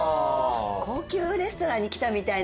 高級レストランに来たみたいな。